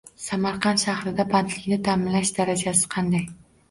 Samarqand shahrida bandlikni ta’minlash darajasi qanday?